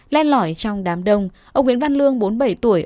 lên lõi trong đám đông ông nguyễn văn lương bốn mươi bảy tuổi